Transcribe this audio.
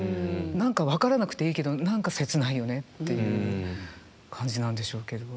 何か分からなくていいけど何か切ないよねっていう感じなんでしょうけど。